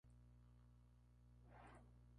En Guipúzcoa se sitúa el linaje más antiguo.